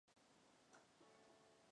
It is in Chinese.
有些地区将条纹鬣狗作为宠物饲养。